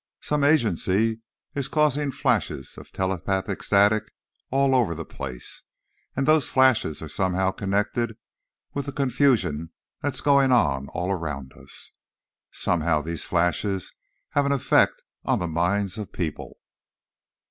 Some agency is causing flashes of telepathic static all over the place. And those flashes are somehow connected with the confusion that's going on all around us. Somehow, these flashes have an effect on the minds of people."